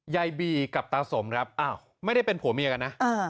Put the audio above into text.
ยายบีกับตาสมครับอ้าวไม่ได้เป็นผัวเมียกันนะ